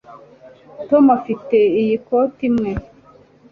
Tom afite iyi koti imwe